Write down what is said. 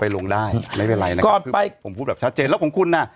ลงได้ไม่เป็นไรนะก่อนไปผมพูดแบบชัดเจนแล้วของคุณน่ะ